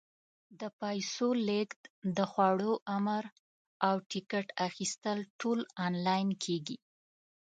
د پیسو لېږد، د خوړو امر، او ټکټ اخیستل ټول آنلاین کېږي.